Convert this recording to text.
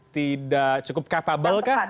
tidak cukup capable kah